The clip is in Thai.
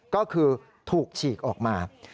ก็คือถูกฉีกออกมา